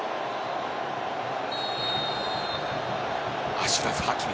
アシュラフ・ハキミ。